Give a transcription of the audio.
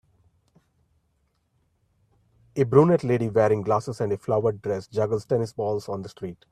A brunette lady wearing glasses and a flowered dress juggles tennis balls on the street.